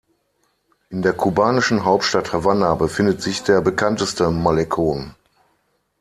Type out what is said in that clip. In der kubanischen Hauptstadt Havanna befindet sich der bekannteste Malecón.